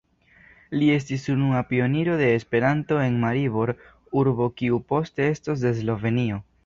Li estis unua pioniro de Esperanto en Maribor, urbo kiu poste estos de Slovenio.